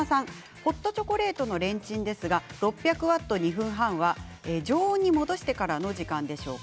ホットチョコレートのレンチンですが、６００ワット２分半は常温に戻してからの時間でしょうか。